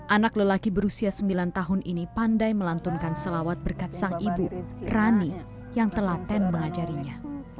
anak lelaki berusia sembilan tahun ini pandai melantunkan selawat berkat sang ibu rani yang telaten mengajarinya